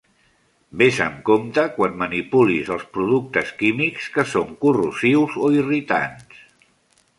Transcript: Vés amb compte quan manipulis els productes químics que són corrosius o irritants.